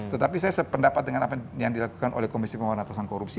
tetapi saya sependapat dengan apa yang dilakukan oleh komisi pemerintahan korupsi